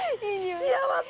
幸せ？